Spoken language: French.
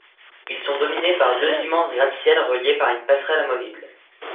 Ils sont dominés par deux immenses gratte-ciels reliés par une passerelle amovible.